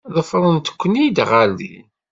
Ḍefrent-iken-id ɣer din.